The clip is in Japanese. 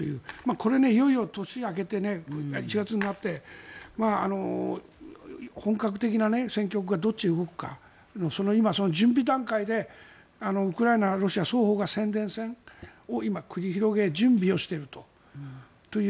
これね、いよいよ年が明けて１月になって本格的な戦局がどっちへ動くか今はその準備段階でウクライナとロシア双方が宣伝戦を今、繰り広げ準備をしているという。